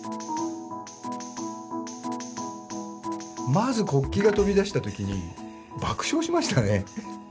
まず国旗が飛び出した時に爆笑しましたね。